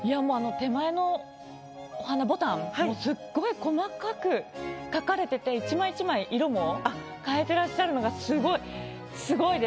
手前のお花牡丹スッゴい細かく描かれてて１枚１枚色も変えてらっしゃるのがスゴいスゴいです。